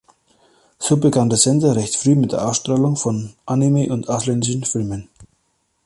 So begann der Sender recht früh mit der Ausstrahlung von Anime und ausländischen Filmen.